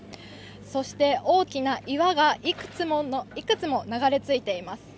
そして大きな岩がいくつも流れ着いています。